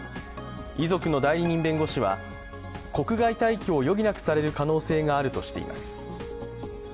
遺族の代理人弁護士は、国外退去を余儀なくされる可能性があるとしています。